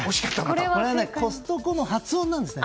これはコストコの発音なんですね。